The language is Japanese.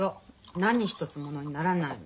何一つ物にならない。